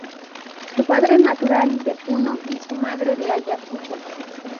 Su padre natural de Puno y su madre de Ayacucho.